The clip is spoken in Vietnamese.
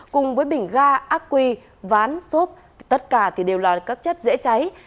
cùng với bình ga ác quy ván xốp tất cả thì đều là các chất dễ cháy